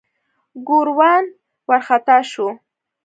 ګوروان وارخطا شو.